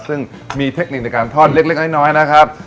ซึ่งมีเทคนิคในการทอดเล็กน้อยนะครับ